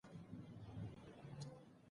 شاهانو د ملالۍ په اړه هېڅ نه دي کړي.